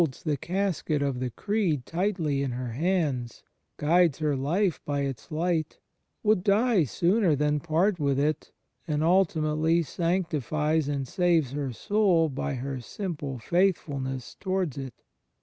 CHRIST IN THE INTERIOR S0X7L 37 the casket of the Creed tightly in her hands, guides her life by its light, would die sooner than part with it, and ultimately sanctifies and saves her soul by her simple faithfulness towards it.